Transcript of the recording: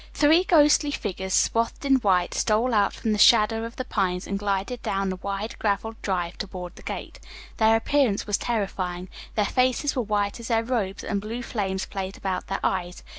Three ghostly figures swathed in white stole out from the shadow of the pines and glided down the wide, graveled drive toward the gate. Their appearance was terrifying. Their faces were white as their robes, and blue flames played about their eyes.